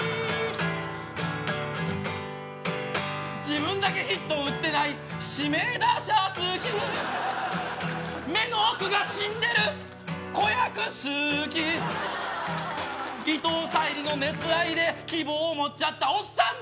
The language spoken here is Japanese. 自分だけヒットを打ってない指名打者好き目の奥が死んでる子役好き伊藤沙莉の熱愛で希望を持っちゃったおっさん